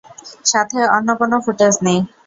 সাথে অন্য কোন ফুটেজ নেই।